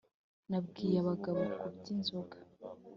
Nabwiye abagabo kubyi nzoga